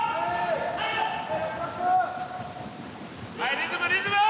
リズムリズム！